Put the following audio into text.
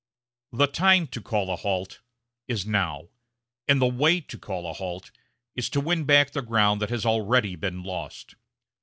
The time to call a halt is now; and the way to call a halt is to win back the ground that has already been lost.